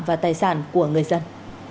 và tài sản của người dân